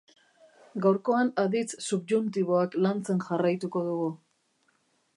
Gaurkoan aditz subjuntiboak lantzen jarraituko dugu.